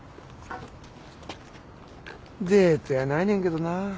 デートやないねんけどな。